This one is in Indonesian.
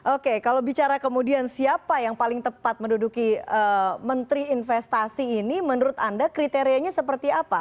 oke kalau bicara kemudian siapa yang paling tepat menduduki menteri investasi ini menurut anda kriterianya seperti apa